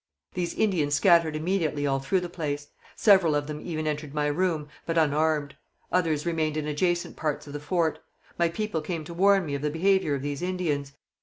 These Indians scattered immediately all through the place; several of them even entered my room, but unarmed; others remained in adjacent parts of the fort. My people came to warn me of the behaviour of these Indians.